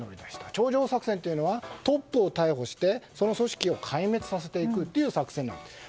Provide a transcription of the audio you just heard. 頂上作戦というのはトップを逮捕してその組織を壊滅させていくという作戦です。